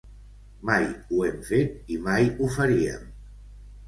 Mai ho hem fet i mai ho faríem.